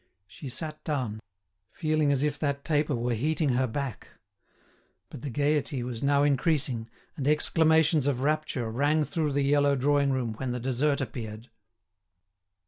She sat down, feeling as if that taper were heating her back. But the gaiety was now increasing, and exclamations of rapture rang through the yellow drawing room when the dessert appeared.